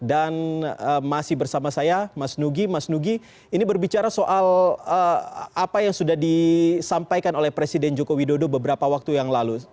dan masih bersama saya mas nugi mas nugi ini berbicara soal apa yang sudah disampaikan oleh presiden joko widodo beberapa waktu yang lalu